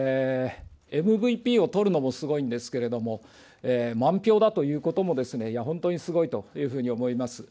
ＭＶＰを取るのもすごいんですけれども、満票だということもいや、本当にすごいと思います。